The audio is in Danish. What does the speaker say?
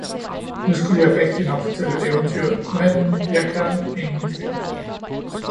Nu skulle jeg rigtignok fortælle et eventyr, men jeg kan ingen flere